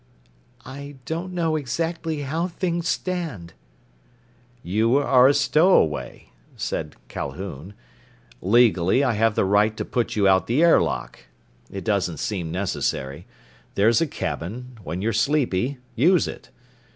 "I don't know exactly how things stand." "You are a stowaway," said Calhoun. "Legally, I have the right to put you out the airlock. It doesn't seem necessary. There's a cabin. When you're sleepy, use it.